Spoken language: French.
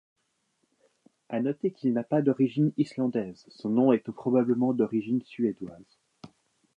À noter qu'il n'a pas d'origine islandaise, son nom étant probablement d'origine suédoise.